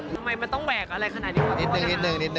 ทำไมมันต้องแหวกอะไรขนาดนี้